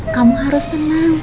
kamu harus tenang